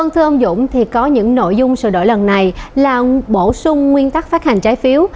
thưa ông dũng thì có những nội dung sửa đổi lần này là bổ sung nguyên tắc phát hành trái phiếu